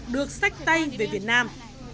được sách tay về việt nam